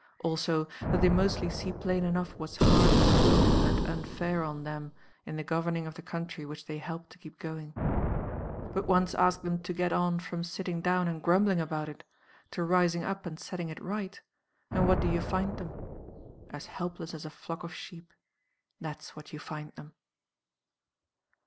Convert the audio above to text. Also, that they mostly see plain enough what's hard and cruel and unfair on them in the governing of the country which they help to keep going. But once ask them to get on from sitting down and grumbling about it, to rising up and setting it right, and what do you find them? As helpless as a flock of sheep that's what you find them.